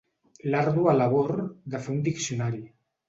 L'àrdua labor de fer un diccionari.